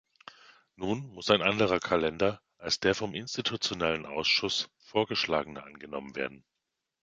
Nun muss ein anderer Kalender als der vom Institutionellen Ausschuss vorgeschlagene angenommen werden.